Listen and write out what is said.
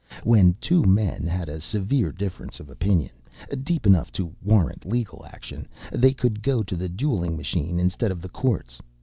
When two men had a severe difference of opinion—deep enough to warrant legal action—they could go to the dueling machine instead of the courts.